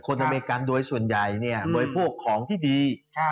อเมริกันโดยส่วนใหญ่เนี่ยบริโภคของที่ดี